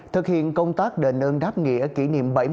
thực hiện công tác đền ơn đáp nghĩa kỷ niệm bảy mươi năm